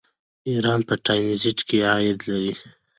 ایران په ټرانزیټ کې عاید لري.